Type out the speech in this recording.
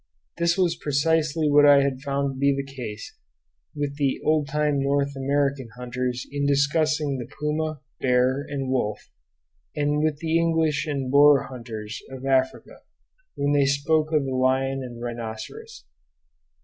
This was precisely what I had found to be the case with the old time North American hunters in discussing the puma, bear, and wolf, and with the English and Boer hunters of Africa when they spoke of the lion and rhinoceros.